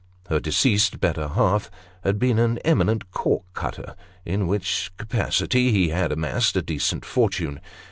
Her deceased better half had been an eminent cork cutter, in which capacity he had amassed a decent fortune.